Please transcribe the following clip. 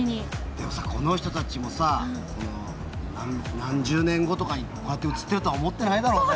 でもさ、この人たちもさ何十年後とかにこうやって写っているとは思ってないだろうね。